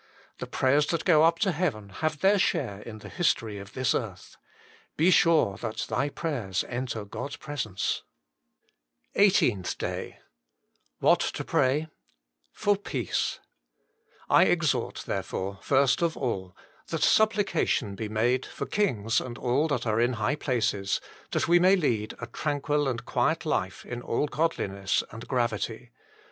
The prayers that go up to heaven have their share in the history of this earth. Be sure that thy prayers enter God s presence. SPECIAL PETITIONS PRAY WITHOUT CEASING EIGHTEENTH DAY WHAT TO PEAY. fat ^Jl ITCC "I exhort therefore, first of all, that supplication be made for kings and all that are in high places ; that we may lead a tranquil and quiet life in all godliness and gravity.